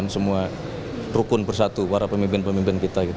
semua rukun bersatu para pemimpin pemimpin kita